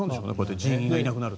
人員がいなくなると。